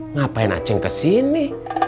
ngapain acing kesini